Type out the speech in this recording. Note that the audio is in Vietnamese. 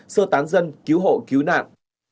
sơ tán dân cứu hộ cứu nạn